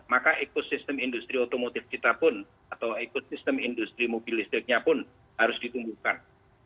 maka ekosistem industri otomotif kita pun atau ekosistem industri mobil listriknya pun harus ditumbuhkan